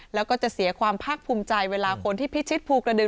แล้วก็จะเสียความภาคภูมิใจเวลาคนที่พิชิตภูกระดึง